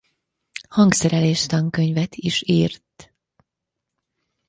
Hangszerelés tankönyvet is írt.